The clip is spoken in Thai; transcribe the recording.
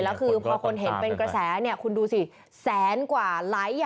แล้วคือพอคนเห็นเป็นกระแสเนี่ยคุณดูสิแสนกว่าไลค์